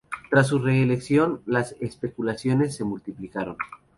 Tras su reelección, las especulaciones se multiplicaron.